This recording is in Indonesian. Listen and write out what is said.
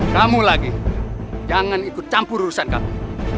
kamu lagi jangan ikut campur urusan kamu